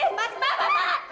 ih lepas lepas pak